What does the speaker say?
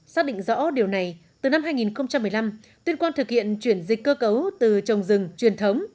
xác định rõ điều này từ năm hai nghìn một mươi năm tuyên quang thực hiện chuyển dịch cơ cấu từ trồng rừng truyền thống